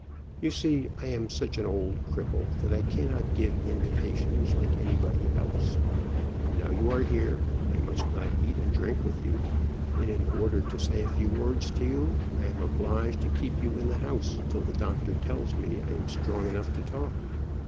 You see, I am such an old cripple that I cannot give invitations like anybody else. Now you are here I must not eat and drink with you, and in order to say a few words to you I am obliged to keep you in the house till the doctor tells me I am strong enough to talk."